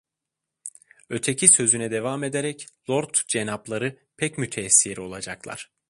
Öteki sözüne devam ederek: "Lord Cenapları pek müteessir olacaklar."